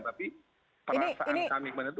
tapi perasaan kami